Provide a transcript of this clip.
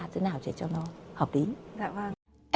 thế nào để cho nó hợp lý